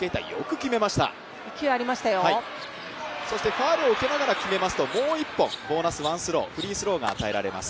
ファウルを受けながら決めますともう一本、フリースローが与えられます。